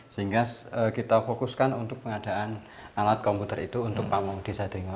yang di fokuskan untuk pengadaan alat komputer itu untuk pamung desa ndlingo